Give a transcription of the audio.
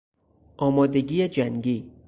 آمادگی جنگی